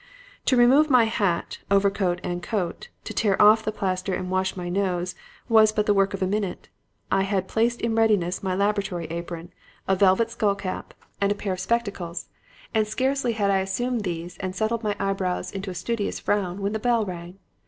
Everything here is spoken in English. "To remove my hat, overcoat and coat, to tear off the plaster and wash my nose, was but the work of a minute. I had placed in readiness my laboratory apron, a velvet skull cap and a pair of spectacles, and scarcely had I assumed these and settled my eyebrows into a studious frown, when the bell rang.